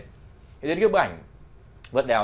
thế đến cái bức ảnh vượt đèo